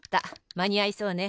まにあいそうね。